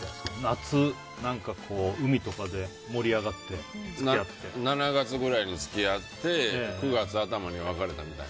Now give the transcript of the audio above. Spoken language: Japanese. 夏、海とかで盛り上がって７月ぐらいに付き合って９月頭に別れたみたいな。